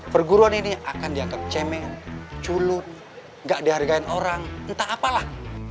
perguruan ini akan dianggap cemen culut nggak dihargai orang entah apalah